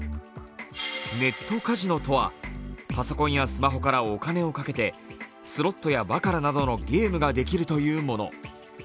ネットカジノとは、パソコンやスマホからお金をかけてスロットやバカラなどのゲームができるというもの。